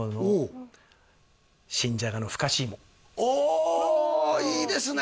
あいいですね